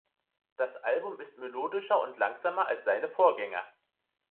Das Album ist melodischer und langsamer als seine Vorgänger.